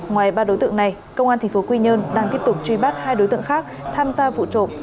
ngoài ba đối tượng này công an tp quy nhơn đang tiếp tục truy bắt hai đối tượng khác tham gia vụ trộm